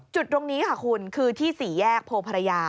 จุดตรงนี้ค่ะคุณคือที่๔แยกโพภรรยา